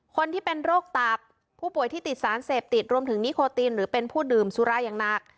คนที่เป็นโรคตับผู้ป่วยที่ติดสารเสพติดรวมถึงนิโคตีนหรือเป็นผู้ดื่มสุราอย่างหนัก